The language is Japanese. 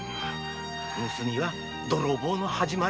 盗みは泥棒の始まりだ。